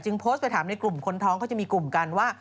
โพสต์ไปถามในกลุ่มคนท้องเขาจะมีกลุ่มกันว่า